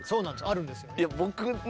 あるんですよ。